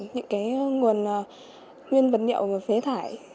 những nguồn nguyên vật liệu phế thải